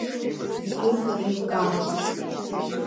Урҭ еилкаауп!